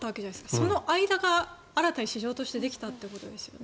その間が、新たに市場としてできたということですね。